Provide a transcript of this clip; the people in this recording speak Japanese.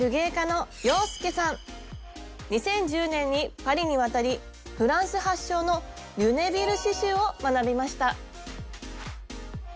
２０１０年にパリに渡りフランス発祥のリュネビル刺しゅうを学びました。